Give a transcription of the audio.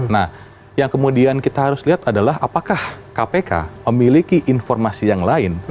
nah yang kemudian kita harus lihat adalah apakah kpk memiliki informasi yang lain